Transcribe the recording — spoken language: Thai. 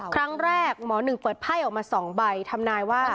ครั้งแรกหมอหนึ่งเปิดไพ่ออกมาสองใบทำนายว่า